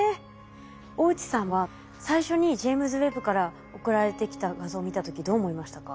大内さんは最初にジェイムズ・ウェッブから送られてきた画像を見た時どう思いましたか？